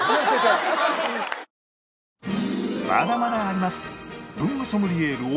まだまだあります